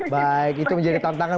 baik itu menjadi tantangan